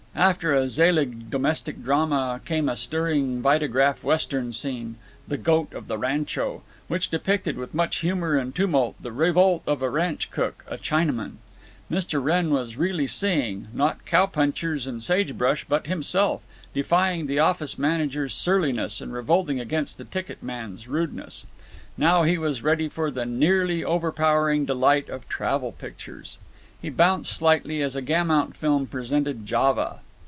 After a Selig domestic drama came a stirring Vitagraph Western scene, "The Goat of the Rancho," which depicted with much humor and tumult the revolt of a ranch cook, a Chinaman. Mr. Wrenn was really seeing, not cow punchers and sage brush, but himself, defying the office manager's surliness and revolting against the ticket man's rudeness. Now he was ready for the nearly overpowering delight of travel pictures. He bounced slightly as a Gaumont film presented Java.